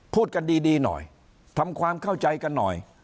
พูดกันดีหน่อยทำความเข้าใจกันหน่อย